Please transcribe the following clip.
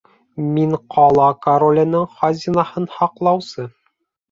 Мин — ҡала короленең хазинаһын һаҡлаусы!